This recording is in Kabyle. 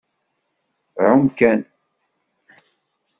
Ɛum kan.